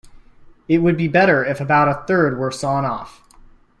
It would be better if about a third were sawn off.